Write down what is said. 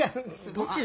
どっちだ？